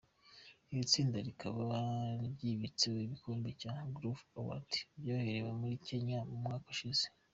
Iri tsinda rikaba ryibitseho igikombe cya Groove Award ryaherewe muri Kenya mu myaka yashize.